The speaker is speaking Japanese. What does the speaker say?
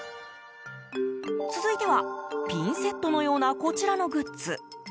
続いては、ピンセットのようなこちらのグッズ。